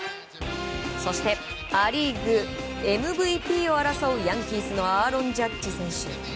そしてア・リーグＭＶＰを争うヤンキースのアーロン・ジャッジ選手。